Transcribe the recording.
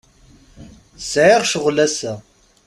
Sɛiɣ ccɣel ass-a.